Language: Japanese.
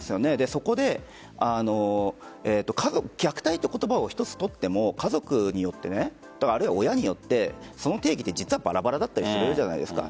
そこで虐待という言葉を一つとっても、家族によってあるいは親によってその定義って実はバラバラだったりするじゃないですか。